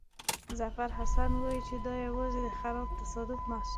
ظفرحسن وایي چې دا یوازې د خراب تصادف محصول وو.